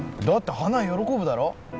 だって花枝喜ぶだろ？